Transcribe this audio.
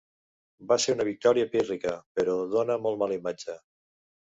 Va ser una victòria pírrica, però dóna molt mala imatge.